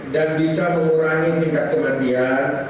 dan bisa mengurangi tingkat kematian